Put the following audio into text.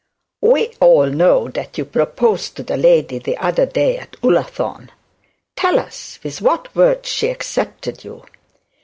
'We all know that you proposed to the lady the other day at Ullathorne. Tell us with what words she accepted you.